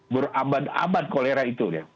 berabad abad kolera itu